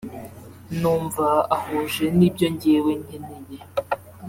numva ahuje nibyo njyewe nkeneye